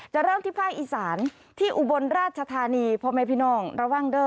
เริ่มที่ภาคอีสานที่อุบลราชธานีพ่อแม่พี่น้องระวังเด้อ